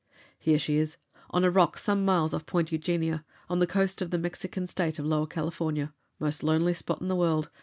"Here she is. On a rock some miles off Point Eugenia, on the coast of the Mexican State of Lower California. Most lonely spot in the world.